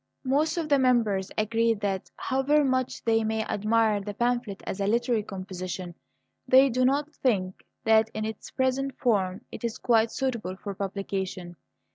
"Most of the members agreed that, however much they may admire the pamphlet as a literary composition, they do not think that in its present form it is quite suitable for publication.